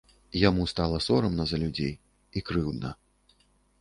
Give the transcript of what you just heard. Яму стала сорамна за людзей і крыўдна.